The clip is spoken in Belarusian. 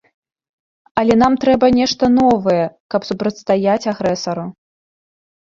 Але нам трэба нешта новае, каб супрацьстаяць агрэсару.